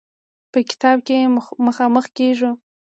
په کتاب کې مخامخ کېږو.